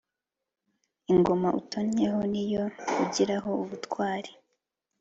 Ingoma utonnyeho niyo ugiraho ubutwari